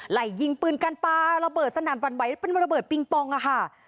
ไหล่ยิงปืนกันปลาระเบิดสนั่นหวั่นไหวเป็นระเบิดปิงปองอะค่ะ